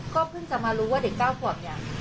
ก็เพิ่งจะมารู้ว่าเด็กเก้าขวับอย่าง